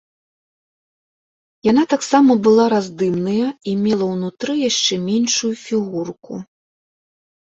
Яна таксама была раздымныя і мела ўнутры яшчэ меншую фігурку.